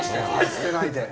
捨てないで。